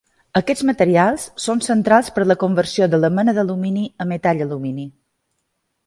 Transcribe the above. Aquests materials són centrals per la conversió de la mena d'alumini a metall alumini.